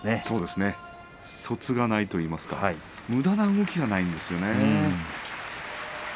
そうですねそつがないといいますかむだな動きがないんですよね。